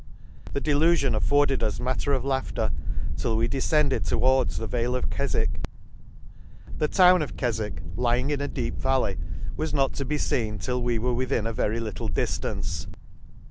—The delufion afforded us matter of laughter till we defcended towards the vale of Kefwich O The ic6 An Excursion to The town of Keswick, lying in a deep valley, was not to be feen till we were within a very little diftance.